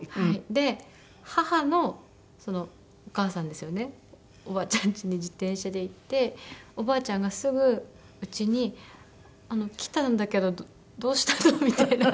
で母のお母さんですよねおばあちゃんちに自転車で行っておばあちゃんがすぐうちに「来たんだけどどうしたの？」みたいな。